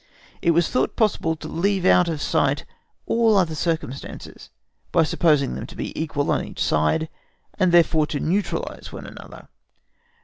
It was thought possible to leave out of sight all other circumstances, by supposing them to be equal on each side, and therefore to neutralise one another.